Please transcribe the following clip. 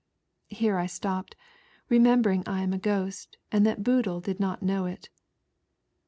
.,." Here I stopped, remembering I am a ghost and that Boodle did not know it.